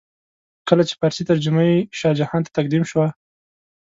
کله چې فارسي ترجمه یې شاه جهان ته تقدیم شوه.